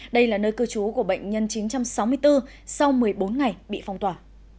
đây là nơi cư trú của bệnh nhân chín trăm sáu mươi bốn sau một mươi bốn ngày bị phong tỏa